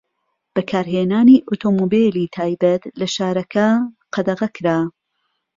بەکارهێنانی ئۆتۆمبێلی تایبەت لە شارەکە قەدەغە کرا.